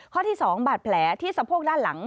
ข้อที่๒บาดแผลที่สะโพกด้านหลัง